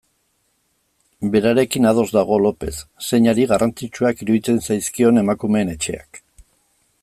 Berarekin ados dago Lopez, zeinari garrantzitsuak iruditzen zaizkion Emakumeen Etxeak.